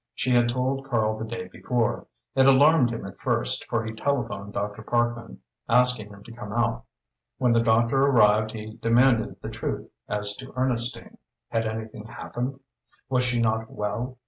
She had told Karl the day before; it alarmed him at first, for he telephoned Dr. Parkman, asking him to come out. When the doctor arrived he demanded the truth as to Ernestine. Had anything happened? Was she not well?